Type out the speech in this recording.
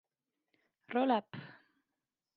Roll up!